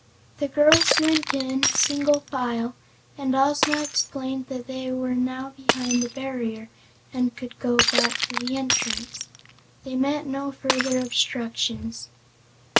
The girls went in, single file, and Ozma explained that they were now behind the barrier and could go back to the entrance. They met no further obstructions.